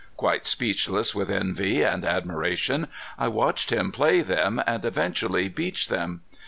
Quite speechless with envy and admiration I watched him play them and eventually beach them.